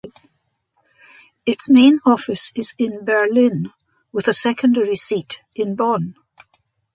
Its main office is in Berlin, with a secondary seat in Bonn.